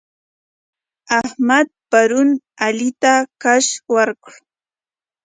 احمد پرون علي ته کش ورکړ.